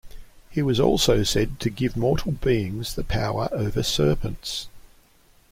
He was also said to give to mortal beings the power over serpents.